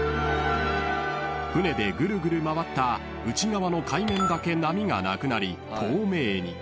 ［船でぐるぐる回った内側の海面だけ波がなくなり透明に］